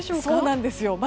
そうなんですよ。